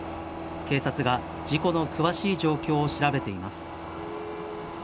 警察が事故の詳しい状況を調べています。